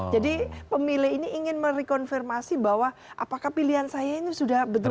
jadi pemilih ini ingin merekonfirmasi bahwa apakah pilihan saya ini sudah betul betul